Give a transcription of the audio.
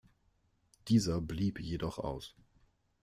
Dieser blieb jedoch aus.